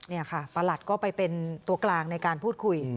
นี่ค่ะประหลัดก็ไปเป็นตัวกลางในการพูดคุย